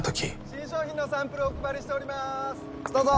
新商品のサンプルお配りしておりますどうぞ。